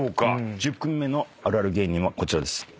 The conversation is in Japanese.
１０組目のあるある芸人はこちらです。